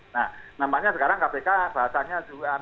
nah namanya sekarang kpk bahasanya juga